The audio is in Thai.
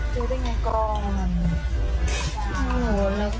เจอได้ยังไงก่อน